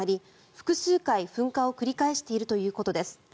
複数回、噴火を繰り返しているということです。